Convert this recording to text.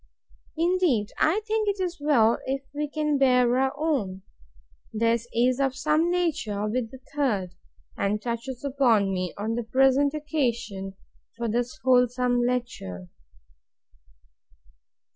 Indeed, I think it is well if we can bear our own! This is of the same nature with the third; and touches upon me, on the present occasion, for this wholesome lecture.